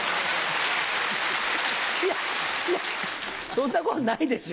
そんなことないでしょ。